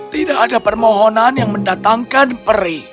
tidak ada permohonan yang mendatangkan peri